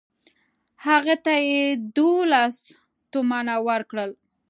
هغه ته یې دوولس تومنه ورکړل.